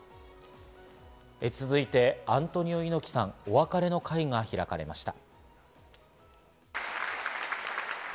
続いてアントニオ猪木さん、お別れの会が開かれました。